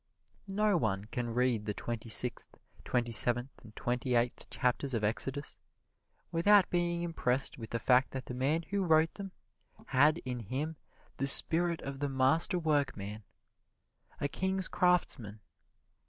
No one can read the twenty sixth, twenty seventh and twenty eighth chapters of Exodus without being impressed with the fact that the man who wrote them had in him the spirit of the Master Workman a King's Craftsman.